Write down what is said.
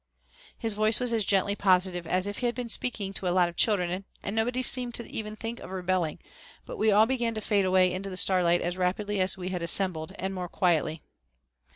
His voice was as gently positive as if he had been speaking to a lot of children and nobody seemed even to think of rebelling but we all began to fade away into the starlight as rapidly as we had assembled and more quietly.